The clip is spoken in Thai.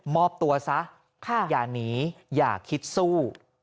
มอบตัวซะอย่าหนีอย่าคิดสู้